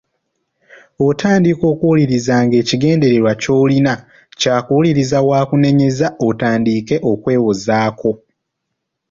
Otandika okuwuliriza ng’ekigendererwa ky’olina kyakuwulira w’akunenyeza otandike okwewozaako.